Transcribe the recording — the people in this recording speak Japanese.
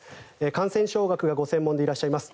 感染症学がご専門でいらっしゃいます